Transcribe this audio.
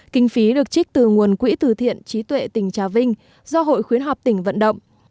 kinh phí được trích từ nguồn quỹ từ thiện trí tuệ tỉnh trà vinh do hội khuyến học tỉnh vận động